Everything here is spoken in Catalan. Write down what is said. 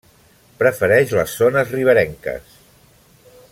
Prefereix les zones riberenques.